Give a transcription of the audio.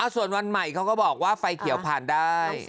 ส่วนวันใหม่เขาก็บอกว่าไฟเขียวผ่านได้